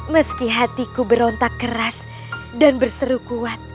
meski hatiku berontak keras dan berseru kuat